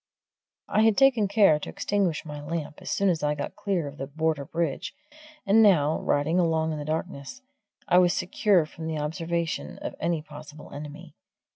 I had taken care to extinguish my lamp as soon as I got clear of the Border Bridge, and now, riding along in the darkness, I was secure from the observation of any possible enemy.